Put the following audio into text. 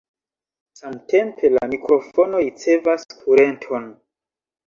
Samtempe la mikrofono ricevas kurenton.